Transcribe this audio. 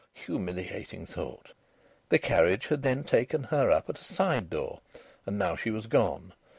(Humiliating thought!) The carriage had then taken her up at a side door. And now she was gone.